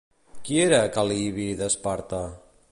Qui era Cal·libi d'Esparta?